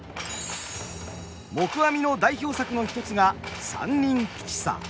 黙阿弥の代表作の一つが「三人吉三」。